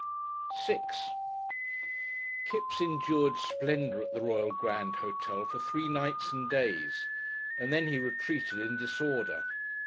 §6 Kipps endured splendour at the Royal Grand Hotel for three nights and days, and then he retreated in disorder.